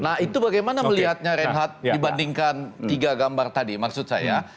nah itu bagaimana melihatnya reinhardt dibandingkan tiga gambar tadi maksud saya